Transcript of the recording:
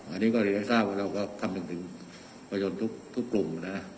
อันนี้ก็เรียกได้ทราบเราก็ทำถึงถึงประโยชน์ทุกทุกกลุ่มนะ